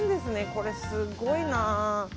これ、すごいな。